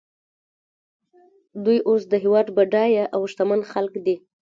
دوی اوس د هېواد بډایه او شتمن خلک دي